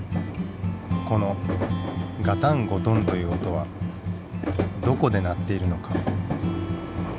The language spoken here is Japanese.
このガタンゴトンという音はどこで鳴っているのか。